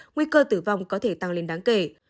nguy cơ tử vong có thể tăng lên đáng kể